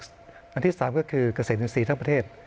ข้อที่สามก็คือเกษตรินิสรีข์ทักประเทศ